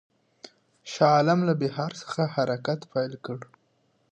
شاه عالم له بیهار څخه حرکت پیل کړ.